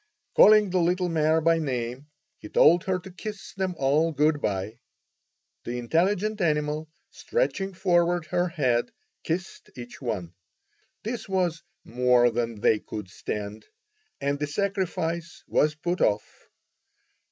Calling the little mare by name, he told her to kiss them all good bye. The intelligent animal, stretching forward her head, kissed each one. This was more than they could stand, and the sacrifice was put off.